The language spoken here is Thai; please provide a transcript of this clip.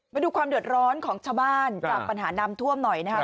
มาดูความเดือดร้อนของชาวบ้านจากปัญหาน้ำท่วมหน่อยนะครับ